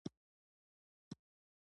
پنېر ژر مړښت راولي.